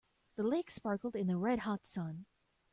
The lake sparkled in the red hot sun.